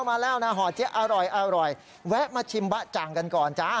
มาแล้วนะห่อเจ๊อร่อยแวะมาชิมบ๊ะจังกันก่อนจ้า